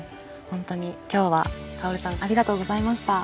本当に今日はカオルさんありがとうございました。